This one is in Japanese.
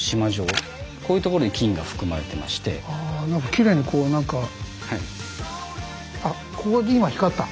きれいにこう何かあっここで今光った！